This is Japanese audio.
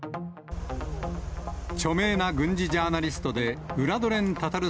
著名な軍事ジャーナリストで、ウラドレン・タタル